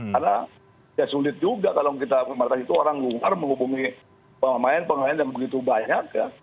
karena sulit juga kalau kita membatasi itu orang luar menghubungi pemain pemain yang begitu banyak